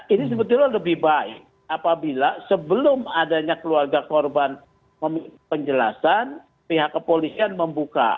ini sebetulnya lebih baik apabila sebelum adanya keluarga korban meminta penjelasan pihak kepolisian membuka